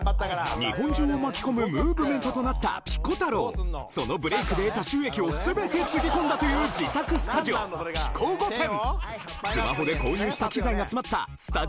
日本中を巻き込むムーブメントとなったそのブレイクで得た収益を全てつぎ込んだというまずははいドン！